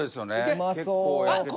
うまそう。